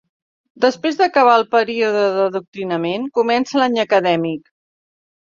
Després d'acabar el període d'adoctrinament, comença l'any acadèmic.